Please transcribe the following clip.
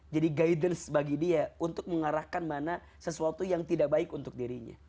jadi guidance bagi dia untuk mengarahkan mana sesuatu yang tidak baik untuk dirinya